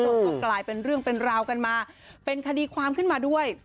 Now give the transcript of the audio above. แล้วก็กลายเป็นเรื่องเป็นราวกันมาเป็นคดีความขึ้นมาด้วย